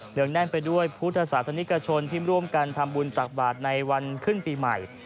งแน่นไปด้วยพุทธศาสนิกชนที่ร่วมกันทำบุญตักบาทในวันขึ้นปีใหม่